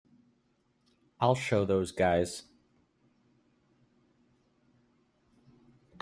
I'll show those guys.